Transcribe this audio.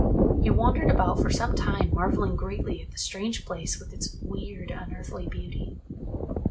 He wandered about for some time marvelling greatly at the strange place with its weird unearthly beauty.